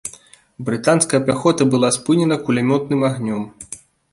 Брытанская пяхота была спынена кулямётным агнём.